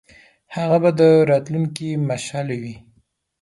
هغه به د راتلونکي مشعل وي.